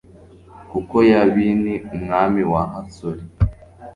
kuko yabini, umwami wa hasori